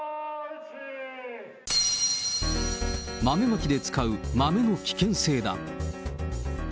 豆まきで使う豆の危険性だ。